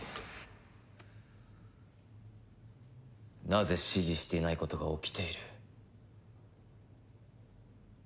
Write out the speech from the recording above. なぜ指示していないことが起きている？